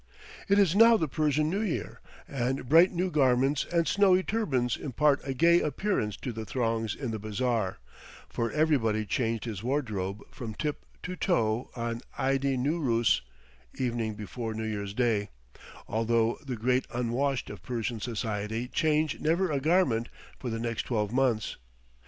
It is now the Persian New Year, and bright new garments and snowy turbans impart a gay appearance to the throngs in the bazaar, for everybody changed his wardrobe from tip to toe on eid i noo roos (evening before New Year's Day), although the "great unwashed" of Persian society change never a garment for the next twelve months.